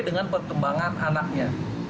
dengan perkembangan anaknya